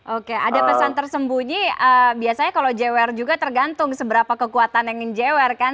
oke ada pesan tersembunyi biasanya kalau jewer juga tergantung seberapa kekuatan yang ingin jewer kan